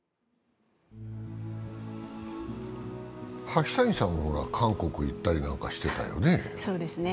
橋谷さんは韓国に行ったり何かしてたよね。